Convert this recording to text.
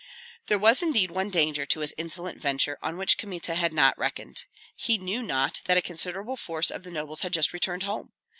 There was indeed one danger to his insolent venture on which Kmita had not reckoned; he knew not that a considerable force of the nobles had just returned home.